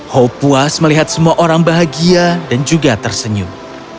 hope puas melihat semua orang bahagia dan juga tersenyum